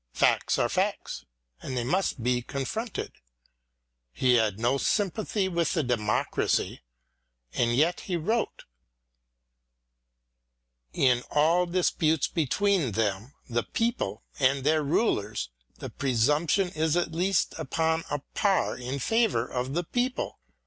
Facts are facts, and they must be confronted. He had no sympathy with the democracy, and yet he wrote : In all disputes between them [the people] and their rulers, the presumption is at least upon a par in favour of the people.